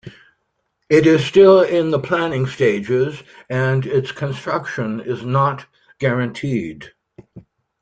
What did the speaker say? It is still in the planning stages and its construction is not guaranteed.